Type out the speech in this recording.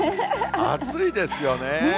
暑いですよね。